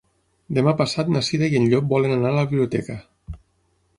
Demà passat na Cira i en Llop volen anar a la biblioteca.